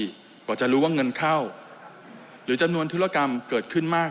กว่าจะรู้ว่าเงินเข้าหรือจำนวนธุรกรรมเกิดขึ้นมาก